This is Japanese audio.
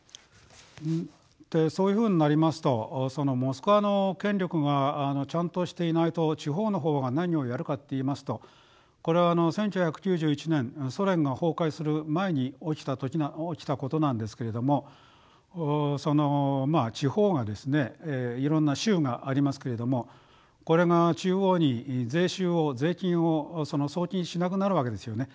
そういうふうになりますとモスクワの権力がちゃんとしていないと地方の方が何をやるかっていいますとこれは１９９１年ソ連が崩壊する前に起きたことなんですけれどもそのまあ地方がですねいろんな州がありますけれどもこれが中央に税収を税金を送金しなくなるわけですよね。